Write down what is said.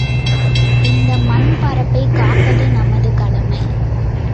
இந்த மண் பரப்பைக் காப்பது நமது கடமை.